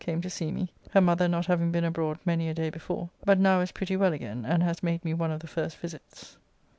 came to see me, her mother not having been abroad many a day before, but now is pretty well again and has made me one of the first visits.